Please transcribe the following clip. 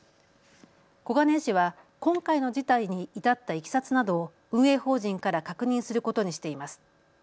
小金井市は今回の事態に至ったいきさつなどを運営法人から確認することにしています。